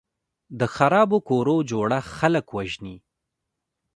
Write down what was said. د خرابو کورو جوړښت خلک وژني.